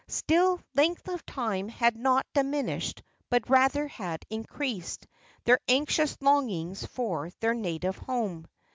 Still length of time had not diminished, but rather had increased, their anxious longings for their native home.